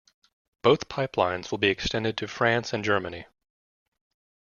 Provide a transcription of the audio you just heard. Both pipelines will be extended to France and Germany.